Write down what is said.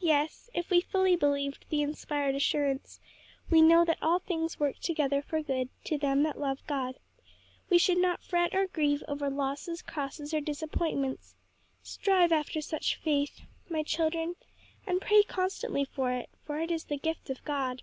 "Yes; if we fully believed the inspired assurance, 'We know that all things work together for good to them that love God,' we should not fret or grieve over losses, crosses or disappointments. Strive after such faith, my children, and pray constantly for it, for it is the gift of God."